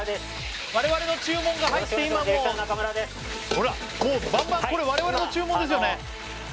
我々の注文が入って今もうほらもうバンバンこれ我々の注文ですよね？